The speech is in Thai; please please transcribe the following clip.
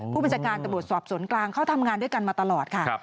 ผู้บัญชาการตำรวจสอบสวนกลางเขาทำงานด้วยกันมาตลอดค่ะ